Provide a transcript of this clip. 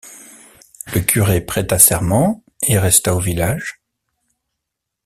Le curé prêta serment et resta au village.